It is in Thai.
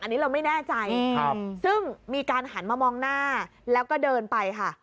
อันนี้เราไม่แน่ใจซึ่งมีการหันมามองหน้าแล้วก็เดินไปค่ะ